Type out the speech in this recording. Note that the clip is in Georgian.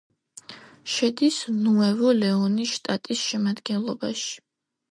შედის ნუევო-ლეონის შტატის შემადგენლობაში.